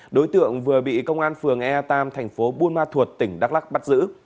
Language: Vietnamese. đối tượng vừa bị công an phường ea tam thành phố buôn ma thuột tỉnh đắk lắc bắt giữ